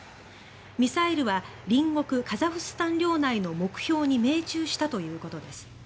ミサイルは隣国カザフスタン領内の目標に命中したということです。